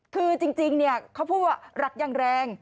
คือจริงเขาพูดว่ารักอย่างแรง